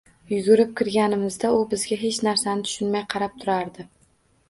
Yugurib kirganimizda, u bizga hech narsani tushunmay qarab turardi